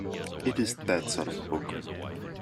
"It is that sort of book.".